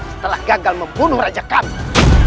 setelah gagal membunuh raja kantong